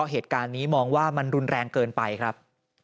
เหตุการณ์นี้มองว่ามันรุนแรงเกินไปครับ